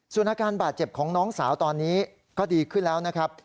ส่วนอาการบาดเจ็บของน้องสาวตอนนี้ก็ดีขึ้นแล้วนะครับ